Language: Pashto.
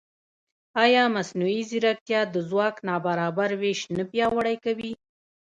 ایا مصنوعي ځیرکتیا د ځواک نابرابر وېش نه پیاوړی کوي؟